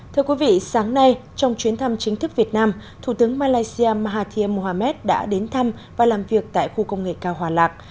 thưa quý vị sáng nay trong chuyến thăm chính thức việt nam thủ tướng malaysia mahathir mohamad đã đến thăm và làm việc tại khu công nghệ cao hòa lạc